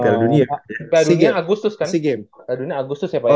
piala dunia agustus ya pak ya